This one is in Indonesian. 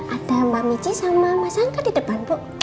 ada mbak michi sama mas angka di depan bu